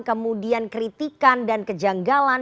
kemudian kritikan dan kejanggalan